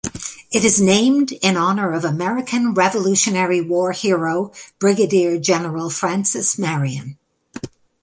It is named in honor of American Revolutionary War hero Brigadier General Francis Marion.